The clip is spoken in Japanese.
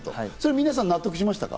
皆さん、納得しましたか？